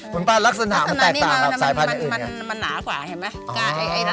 คุณป้าลักษณะมันแตกต่างครับสายพันธุ์อื่นมันหนาขวาเห็นไหม